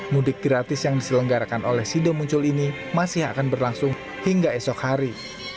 mudik gratis yang diselenggarakan oleh sido muncul ini masih akan berlangsung hingga esok hari